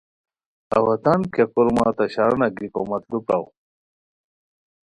اوا تان کیہ کورمہ تہ شارانہ گیکو مت لُو پراؤ